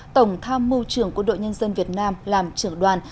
tổng tham mưu trưởng của đội nhân dân việt nam làm trưởng đoàn